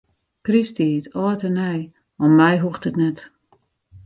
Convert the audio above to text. Krysttiid, âld en nij, om my hoecht it net.